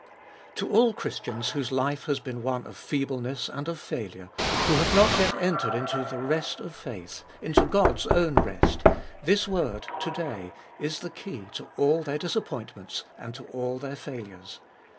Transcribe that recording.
To all Christians whose life has been one of feebleness and of failure, who have not yet entered into the rest of faith, into God's own rest, this word To day is the key to all their dis appointments and to all their failures.